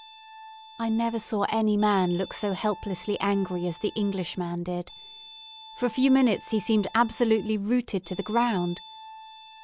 I never saw any man look so helplessly angry as the Englishman did. For a few minutes he seemed absolutely rooted to the ground.